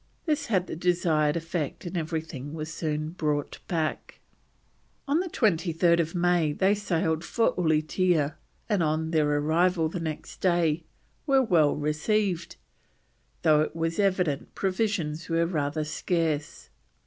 This had the desired effect, and everything was soon brought back. On 23rd May they sailed for Ulietea, and on their arrival the next day were well received, though it was evident provisions were rather scarce.